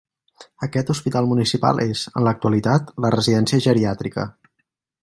Aquest hospital municipal és, en l'actualitat, la Residència Geriàtrica.